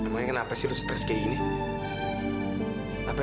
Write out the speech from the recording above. que siapa saja yang saksikan olarak